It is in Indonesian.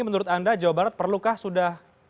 menurut anda jawa barat perlukah sudah